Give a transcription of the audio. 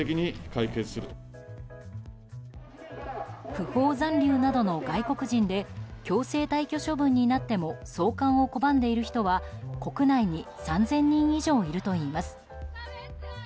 不法残留などの外国人で強制退去処分になっても送還を拒んでいる人は国内に３０００人以上いるといいます。